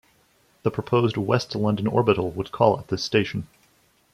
The proposed West London Orbital would call at this station.